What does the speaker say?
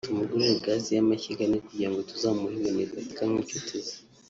tumugurire gaz y’amashyiga ane kugira ngo tuzamuhe ibintu bifatika nk’inshuti ze